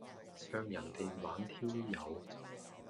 向人地猛挑誘